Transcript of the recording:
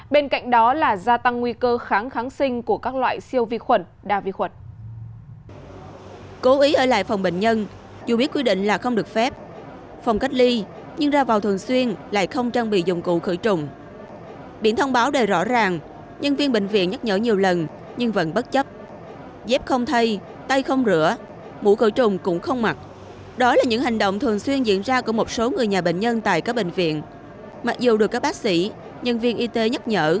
bên cạnh đó là gia tăng nguy cơ kháng kháng sinh của các loại siêu vi khuẩn đa vi khuẩn